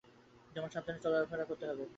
তোমার সাবধানে চলাফেরা করতে হবে।